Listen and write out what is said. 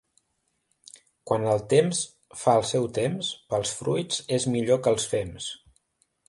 Quan el temps fa el seu temps, pels fruits és millor que els fems.